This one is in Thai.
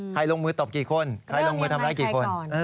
ลงมือตบกี่คนใครลงมือทำร้ายกี่คน